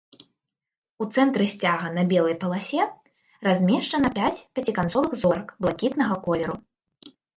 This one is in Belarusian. У цэнтры сцяга на белай паласе размешчана пяць пяціканцовых зорак блакітнага колеру.